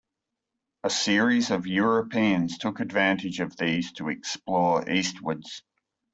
A series of Europeans took advantage of these to explore eastwards.